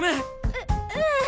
うううん。